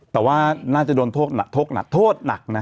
แต่ว่าน่าจะโดนโทษหนักโทษหนักนะ